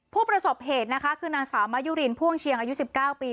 ผู้ประสบเหตุนะคะคือนางสาวมายุรินพ่วงเชียงอายุ๑๙ปี